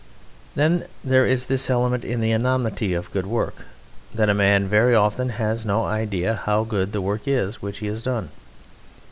Then there is this element in the anonymity of good work, that a man very often has no idea how good the work is which he has done.